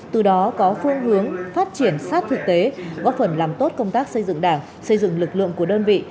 từ đó có phương hướng phát triển sát thực tế góp phần làm tốt công tác xây dựng đảng xây dựng lực lượng của đơn vị